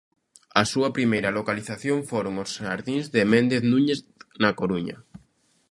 A súa primeira localización foron os xardíns de Méndez Núñez, na Coruña.